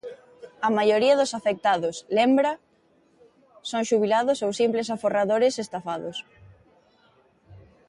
A maioría dos afectados, lembra, son xubilados ou simples aforradores estafados.